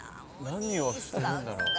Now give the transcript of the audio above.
何をしてるんだろう？